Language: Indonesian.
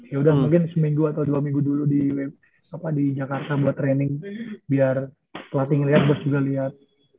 yaudah mungkin seminggu atau dua minggu dulu di jakarta buat training biar pelatih liat bos juga liat